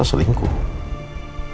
elsa selingkuh sama ricky